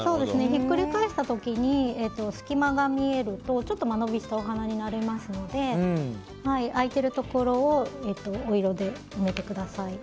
ひっくり返した時に隙間が見えるとちょっと間延びしたお花になりますので空いているところをお色で埋めてください。